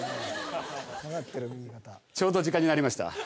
ちょうど時間になりました。